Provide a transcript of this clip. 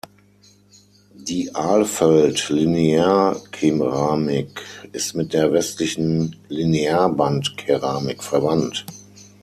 Die Alföld-Linearkeramik ist mit der westlichen Linearbandkeramik verwandt.